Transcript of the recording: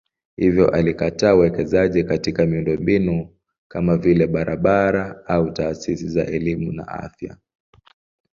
Hivyo alikataa uwekezaji katika miundombinu kama vile barabara au taasisi za elimu na afya.